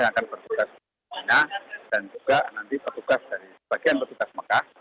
yang akan bertugas di mina dan juga nanti petugas dari bagian petugas mekah